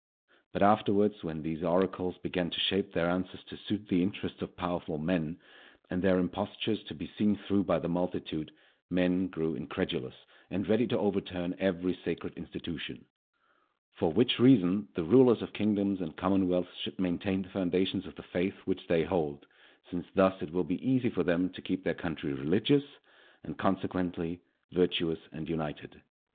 But, afterwards, when these oracles began to shape their answers to suit the interests of powerful men, and their impostures to be seen through by the multitude, men grew incredulous and ready to overturn every sacred institution. For which reason, the rulers of kingdoms and commonwealths should maintain the foundations of the faith which they hold; since thus it will be easy for them to keep their country religious, and, consequently, virtuous and united.